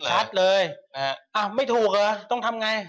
ชัดเลยไม่ถูกเหรอต้องทำไง